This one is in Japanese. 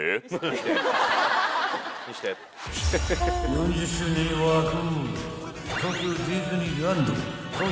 ［４０周年に沸く］